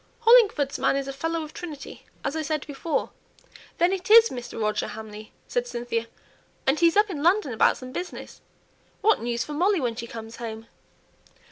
"Hollingford's man is a Fellow of Trinity, as I said before." "Then it is Mr. Roger Hamley," said Cynthia; "and he's up in London about some business! What news for Molly when she comes home!"